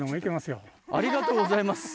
ありがとうございます！